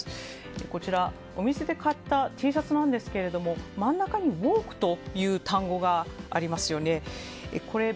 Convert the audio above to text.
こちら、お店で買ったＴシャツなんですが真ん中にＷＯＫＥという単語がありますよね。